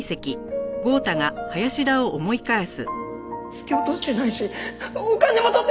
突き落としてないしお金も取ってません！